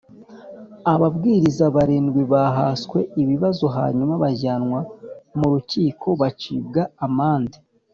Ababwiriza barindwi bahaswe ibibazo hanyuma bajyanwa mu rukiko bacibwa amande